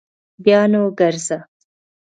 بیا نو ګرځه